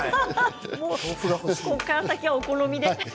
ここから先はお好みで。